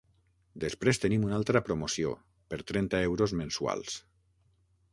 Després tenim una altra promoció, per trenta euros mensuals.